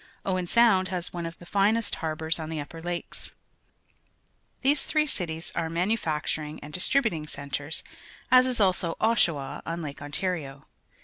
Owen Sound has one of the finest harbours on the Upper Lake_s^ These three cities are manu facturing and distributing centres, as is also Oshawa. on Lake Ontario.